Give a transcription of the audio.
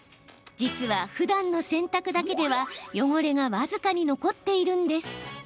実は、ふだんの洗濯だけでは汚れが僅かに残っているんです。